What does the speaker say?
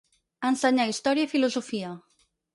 Ensenyà història i filosofia.